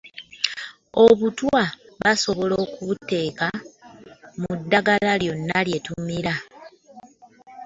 Obutwa basobola okubuteeka mu ddagala lyonna lyetumira